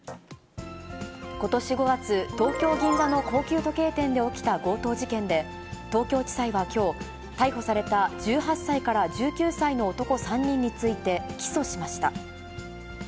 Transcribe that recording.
ことし５月、東京・銀座の高級時計店で起きた強盗事件で、東京地裁はきょう、逮捕された１８歳から１９歳の男３人について起訴しました。